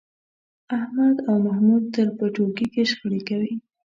احمد او محمود تل په ټولگي کې شخړې کوي